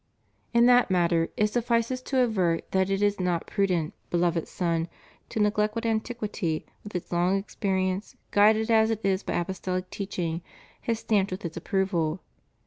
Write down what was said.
In that matter, it suffices to advert that it is not prudent. Beloved Son, to neglect what antiquity, with its long experience, guided as it is by apostoUc teaching, has stamped with its approval.